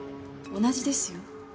同じですよ。